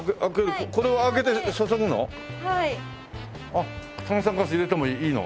あっ炭酸ガス入れてもいいの？